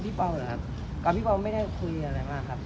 กับพี่เปล่าเหรอครับกับพี่เปล่าไม่ได้คุยอะไรมากครับ